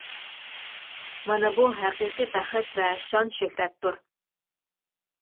مانا بۇ ھەقىقىي بەخت ۋە شان-شۆھرەتتۇر.